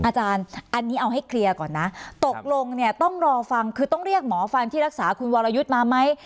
อาจารย์อันนี้เอาให้เคลียร์ก่อนนะตกลงเนี่ยต้องรอฟังคือต้องเรียกหมอฟันที่รักษาคุณวรยุทธ์มาไหม